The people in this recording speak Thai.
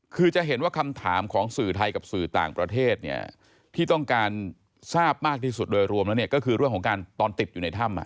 คือจะเห็นว่าคำถามของสื่อไทยกับสื่อต่างประเทศเนี่ยที่ต้องการทราบมากที่สุดโดยรวมแล้วเนี่ยก็คือเรื่องของการตอนติดอยู่ในถ้ำ